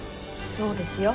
そうですよ。